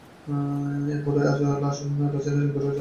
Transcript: এরপর আজই লাশ রাজধানীর মিরপুরের জান্নাতুল মাওয়া কবরস্থানে দাফন করা হবে।